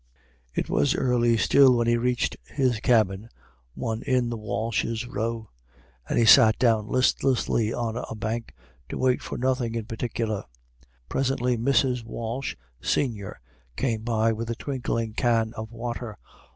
It was early still when he reached his cabin, one in the Walshes' row; and he sat down listlessly on a bank, to wait for nothing in particular. Presently Mrs. Walsh, senior, came by with a twinkling can of water.